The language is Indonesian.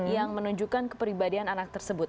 yang menunjukkan kepribadian anak tersebut